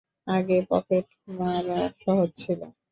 আগে পকেটমারা সহজ ছিলো।